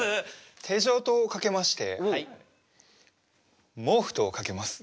手錠とかけまして毛布とかけます。